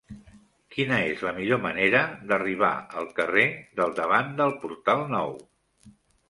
Quina és la millor manera d'arribar al carrer del Davant del Portal Nou?